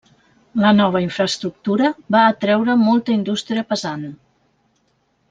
La nova infraestructura va atreure molta indústria pesant.